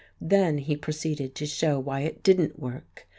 Then he proceeded to show why it didn't work.